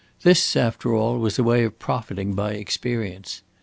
This, after all, was a way of profiting by experience.